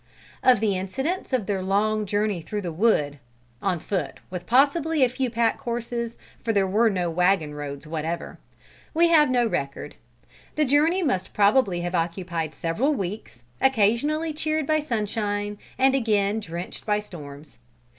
Of the incidents of their long journey through the wood on foot, with possibly a few pack horses, for there were no wagon roads whatever we have no record. The journey must probably have occupied several weeks, occasionally cheered by sunshine, and again drenched by storms.